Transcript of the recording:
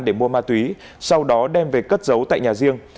để mua ma túy sau đó đem về cất giấu tại nhà riêng